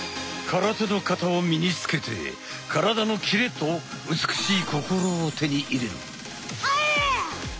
空手の形を身につけて体のキレと美しい心を手に入れる。